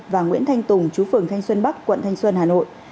và nguyễn thanh tùng chú phường thanh xuân bắc quận thanh xuân hà nội